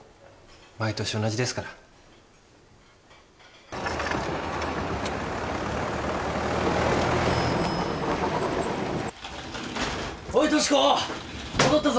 毎年同じですからおい俊子戻ったぞ！